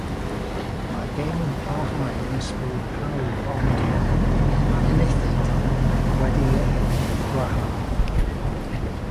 Mae'r gêm yn parhau nes bod pawb ond yr enillydd wedi'u gwahardd.